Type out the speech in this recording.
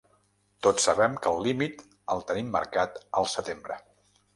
Tots sabem que el límit el tenim marcat al setembre.